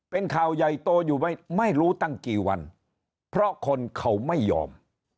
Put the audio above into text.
เป็นข่าวใหญ่โตอยู่ไม่รู้ตั้งกี่วันเพราะคนเขาไม่ยอม